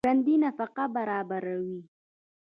ژوندي نفقه برابروي